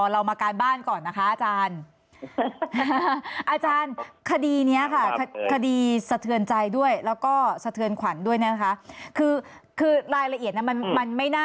เรามาการบ้านก่อนนะคะอาจารย์อาจารย์คดีเนี้ยค่ะคดีสเตือน